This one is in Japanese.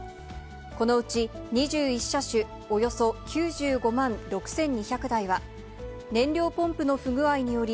このうち２１車種、およそ９５万６２００台は、燃料ポンプの不具合により、